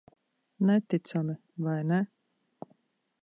Neticami, vai ne?